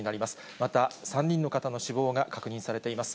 また３人の方の死亡が確認されています。